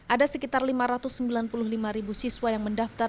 ada sekitar lima ratus sembilan puluh lima ribu siswa yang mendaftar